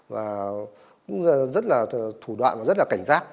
và cũng rất là thủ đoạn và rất là cảnh giác